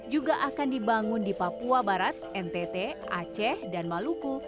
juga akan dibangun di papua barat ntt aceh dan maluku